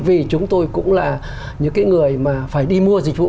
vì chúng tôi cũng là những cái người mà phải đi mua dịch vụ